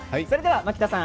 槇田さん